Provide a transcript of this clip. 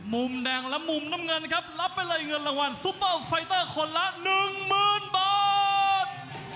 มุมแดงและมุมน้ำเงินครับรับไปเลยเงินรางวัลซุปเปอร์ไฟเตอร์คนละหนึ่งหมื่นบาท